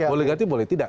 boleh ganti boleh tidak